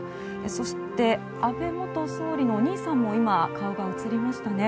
そして、安倍元総理のお兄さんも今、顔が映りましたね。